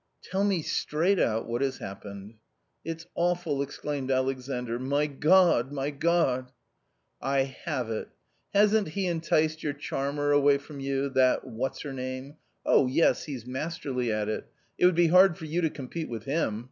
11 Tell me straight out what has happened." " It's awful !" exclaimed Alexandr, " My God ! my God !"" I have it ! hasn't he enticed your charmer away from you— that — what's her name ? Oh yes ! he's masterly at it ; it would be hard for you to compete with him.